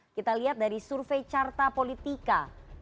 kita lihat dari survei carta politika